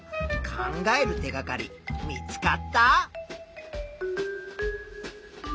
考える手がかり見つかった？